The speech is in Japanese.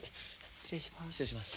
失礼します。